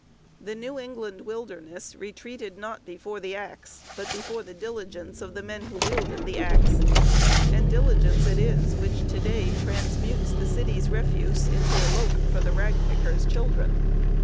The New England wilderness retreated not before the axe, but before the diligence of the men who wielded the axe; and diligence it is which to day transmutes the city's refuse into a loaf for the ragpicker's children.